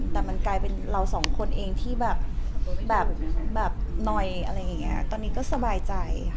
แต่มันกลายเป็นเราสองคนเองที่แบบหน่อยอะไรอย่างนี้ตอนนี้ก็สบายใจ